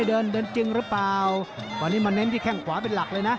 เดินเดินจริงหรือเปล่าวันนี้มาเน้นที่แข้งขวาเป็นหลักเลยนะ